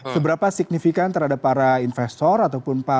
seberapa signifikan terhadap para investor atau para pengusaha